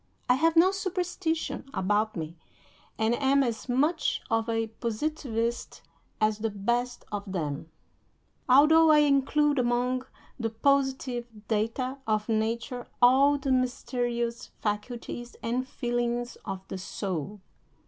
I have no superstition about me, and am as much of a Positivist as the best of them, although I include among the positive data of nature all the mysterious faculties and feelings of the soul.